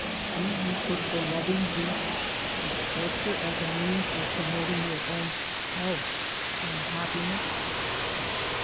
Do you put the loving beasts to torture as a means of promoting your own health and hap piness